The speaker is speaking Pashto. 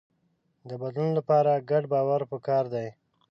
د بدلون لپاره ګډ باور پکار دی.